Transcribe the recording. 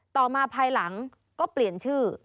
ต่อมาภายหลังก็เปลี่ยนชื่อ